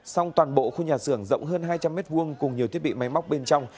song toàn bộ khu nhà xưởng rộng hơn hai trăm linh m hai cùng nhiều thiết bị máy móc bên trong